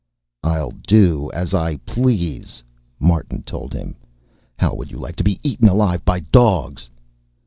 "I'll do as I please," Martin told him. "How would you like to be eaten alive by dogs?"